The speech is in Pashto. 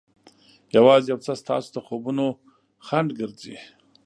یوازې یو څه ستاسو د خوبونو خنډ ګرځي.